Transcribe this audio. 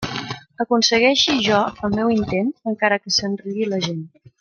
Aconsegueixi jo el meu intent, encara que se'n rigui la gent.